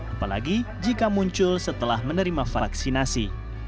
apalagi jika muncul setelah menerima vaksinasi